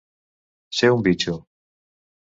Ser un bitxo.